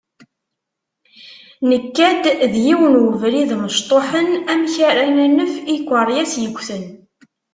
Nekka-d d yiwen webrid mecṭuḥen amek ara nanef i ikeṛyas yeggten.